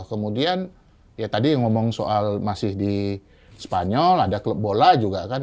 kemudian ya tadi ngomong soal masih di spanyol ada klub bola juga kan